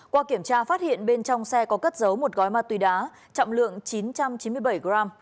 qua kiểm tra phát hiện bên trong xe có cất giấu một gói ma túy đá trọng lượng chín trăm chín mươi bảy gram